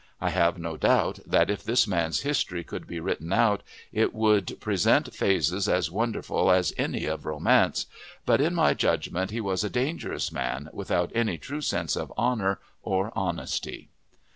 I have no doubt that, if this man's history could be written out, it would present phases as wonderful as any of romance; but in my judgment he was a dangerous man, without any true sense of honor or honesty.